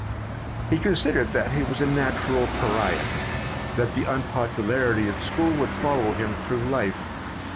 He considered that he was a natural pariah; that the unpopularity at school would follow him through life.